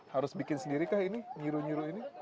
harus bikin sendiri kah ini nyiru nyiru ini